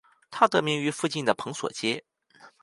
它得名于附近的蓬索街。